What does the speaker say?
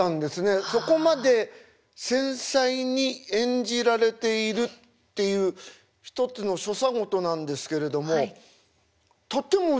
そこまで繊細に演じられているっていう一つの所作事なんですけれどもとっても美しい！